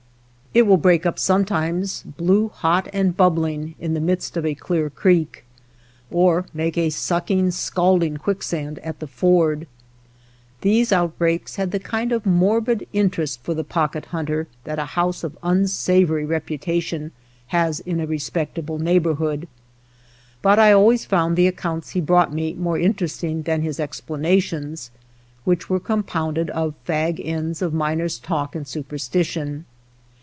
It will break up sometimes blue hot and bubbling, in the midst of a clear creek, or make a sucking, scalding quicksand at the ford. These outbreaks had the kind of morbid interest for the Pocket Hunter that a house of unsavory reputation has in a respectable neighbor hood, but I always found the accounts he brought me more interesting than his explanations, which were compounded of fa;g ends of miner's talk and superstition.